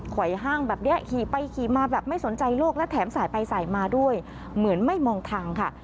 ไหวห้างแบบนี้ขี่ไปขี่มาแบบไม่สนใจโลกและแถมสายไปสายมาด้วยเหมือนไม่มองทางค่ะ